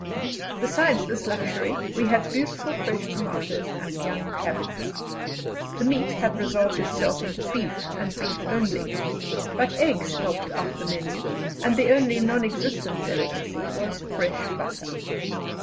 Besides this luxury, we had beautiful fresh tomatoes and young cabbages. The meat had resolved itself into beef, and beef only, but eggs helped out the menu, and the only non existent delicacy was "fresh butter."